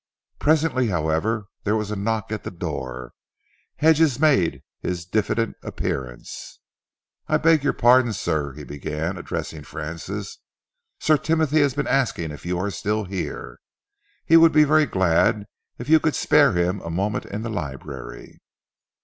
Presently, however, there was a knock at the door. Hedges made his diffident appearance. "I beg your pardon, sir," he began, addressing Francis. "Sir Timothy has been asking if you are still here. He would be very glad if you could spare him a moment in the library."